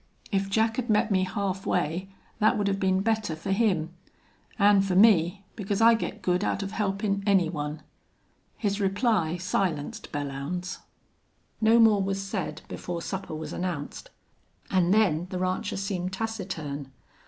If Jack had met me half way that would have been better for him. An' for me, because I get good out of helpin' any one." His reply silenced Belllounds. No more was said before supper was announced, and then the rancher seemed taciturn.